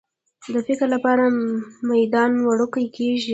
د فکر لپاره میدان وړوکی کېږي.